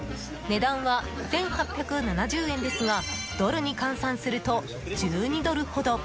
値段は１８７０円ですがドルに換算すると１２ドルほど。